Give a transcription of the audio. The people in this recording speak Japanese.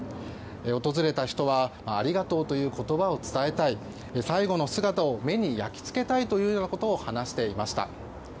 訪れた人は、ありがとうという言葉を伝えたい最後の姿を目に焼き付けたいと話していました。